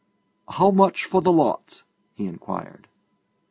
'How much for the lot?' he inquired.